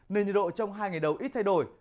nên nhiệt độ trong hai ngày đầu ít thay đổi